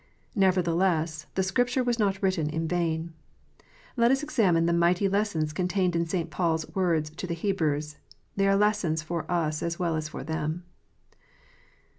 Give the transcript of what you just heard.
Nevertheless, the Scripture was not written in vain. Let us examine the mighty lessons contained in St. Paul s words to the Hebrews. They are lessons for us as well as for them.